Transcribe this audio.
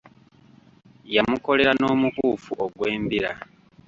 Yamukolera n'omukuufu ogw'embira.